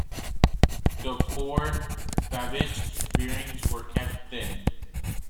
The poured Babbitt bearings were kept thin.